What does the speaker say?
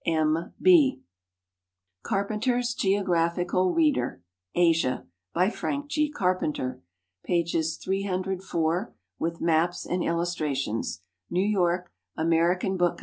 M. B. Carpenter'' s Geographical Reader. Asia. Bj^ Frank G. Carpenter. Pp.304, with maps and illustrations. New York : American Book Co.